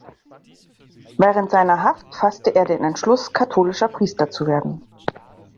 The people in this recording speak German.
Während seiner Haft fasste er den Entschluss, katholischer Priester zu werden.